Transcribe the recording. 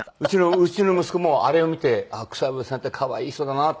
うちの息子もあれを見て「ああ草笛さんって可愛い人だな」って。